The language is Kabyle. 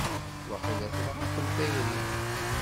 Waqila tenɣa-kent tayri!